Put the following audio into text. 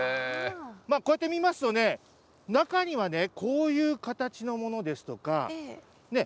こうやって見ますとね、中にはこういう形のものですとか、ね？